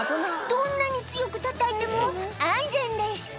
「どんなに強くたたいても安全です」